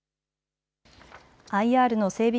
ＩＲの整備